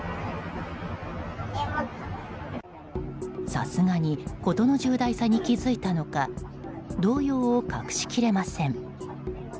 さすがに事の重大さに気づいたのか動揺を隠し切れません。